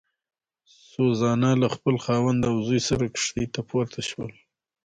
سوزانا له خپل خاوند او زوی سره کښتۍ ته پورته شول.